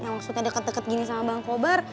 maksudnya deket deket gini sama bang kober